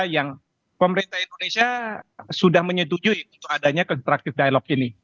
yang pemerintah indonesia sudah menyetujui untuk adanya constructive dialog ini